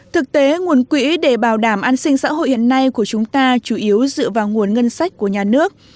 thực tế nguồn quỹ để bảo đảm an sinh xã hội hiện nay của chúng ta chủ yếu dựa vào nguồn ngân sách của nhà nước